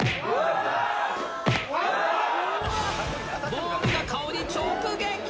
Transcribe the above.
ボールが顔に直撃。